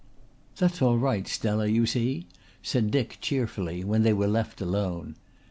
"That's all right, Stella, you see," said Dick cheerfully when they were left alone.